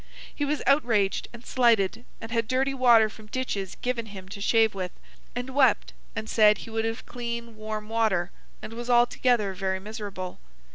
He was outraged, and slighted, and had dirty water from ditches given him to shave with, and wept and said he would have clean warm water, and was altogether very miserable.